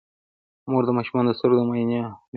مور د ماشومانو د سترګو د معاینې اهمیت پوهیږي.